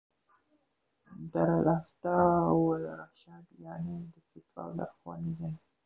دار الافتاء والارشاد، يعني: د فتوا او لارښووني ځای